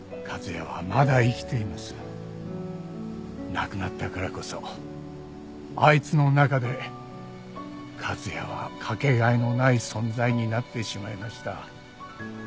亡くなったからこそあいつの中で和哉はかけがえのない存在になってしまいました。